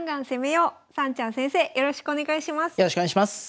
よろしくお願いします。